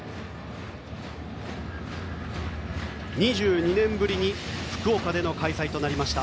２２年ぶりに福岡での開催となりました